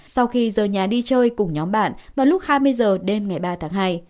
sau khi rời nhà đi chơi cùng nhóm bạn vào lúc hai mươi h đêm ngày ba tháng hai